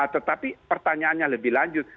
tetapi pertanyaannya lebih lanjut